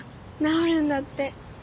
治るんだって。